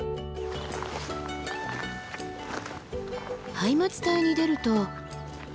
ハイマツ帯に出ると。